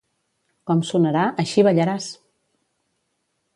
Com sonarà, així ballaràs!